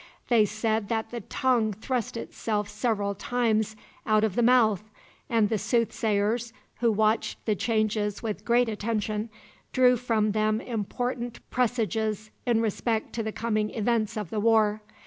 They said that the tongue thrust itself several times out of the mouth, and the soothsayers, who watched the changes with great attention, drew from them important presages in respect to the coming events of the war.